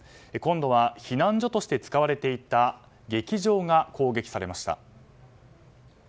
今度は避難所として使われていた劇場が攻撃されました。